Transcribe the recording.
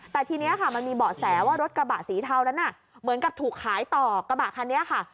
แต่ทีนี้ค่ะมันมีเบาะแสว่ารถกระบะสีเทานั้นน่ะเหมือนกับถูกขายต่อกระบะคันนี้ค่ะ